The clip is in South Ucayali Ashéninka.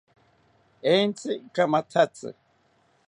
Entzi ikamathatzi